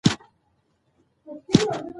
علم د نړیوال شهرت سبب دی.